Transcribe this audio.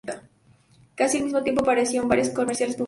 Casi al mismo tiempo, apareció en varios comerciales publicitarios.